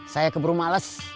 saya keburu males